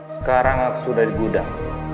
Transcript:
sekarang sudah di gudang